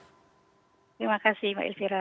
terima kasih mbak fira